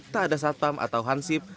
tak ada satam atau hansip